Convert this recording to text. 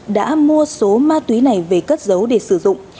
đã mua số ma túy này về cất dấu để sử dụng